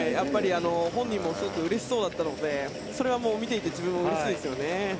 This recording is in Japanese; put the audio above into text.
本人もすごくうれしそうだったのでそれは見ていて自分もうれしいですよね。